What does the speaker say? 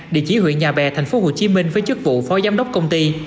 địa chỉ huyện nhà bè tp hcm với chức vụ phó giám đốc công ty